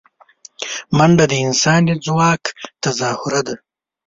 منډه د انسان د ځواک تظاهره ده